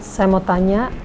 saya mau tanya